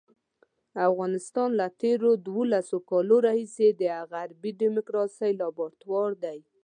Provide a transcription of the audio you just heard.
افغانستان له تېرو دولسو کالو راهیسې د غربي ډیموکراسۍ لابراتوار دی.